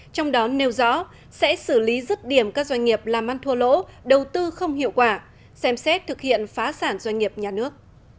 trong đó nêu rõ sẽ xử lý rứt điểm các doanh nghiệp làm ăn thua lỗ đầu tư không hiệu quả xem xét thực hiện phá sản doanh nghiệp nhà nước